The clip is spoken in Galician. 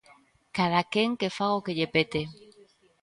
Cadaquén que faga o que lle pete.